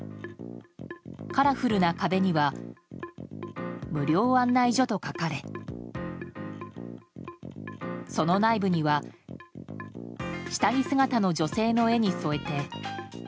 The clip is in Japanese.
カラフルな壁には無料案内所と書かれその内部には下着姿の女性の絵に添えて。